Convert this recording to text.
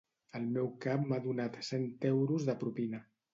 El meu cap m'ha donat cent euros de propina